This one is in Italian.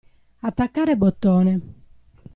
Attaccare bottone.